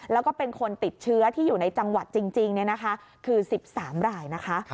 แล้วก็เป็นคนติดเชื้อที่อยู่ในจังหวัดจริงคือ๑๓รายนะคะ